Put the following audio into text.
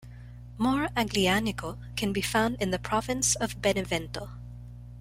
More Aglianico can be found in the province of Benevento.